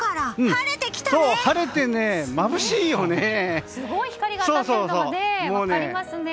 晴れて、まぶしいよね。